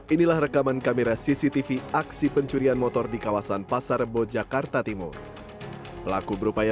inilah rekaman kamera cctv aksi pencurian motor di kawasan pasar bojakarta timur pelaku berupaya